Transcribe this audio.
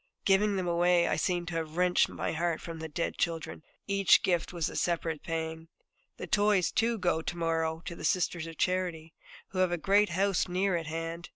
Giving them away, I seem to have wrenched my heart from the dead children; each gift was a separate pang. The toys, too, go to morrow to the Sisters of Charity, who have a great house near at hand.